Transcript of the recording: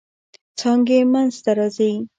څانګې منځ ته راځي.